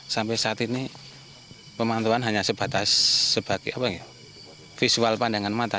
sampai saat ini pemantauan hanya sebatas sebagai visual pandangan mata